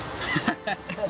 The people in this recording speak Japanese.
ハハハハッ！